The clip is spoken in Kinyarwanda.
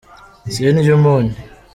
sindya umunyu.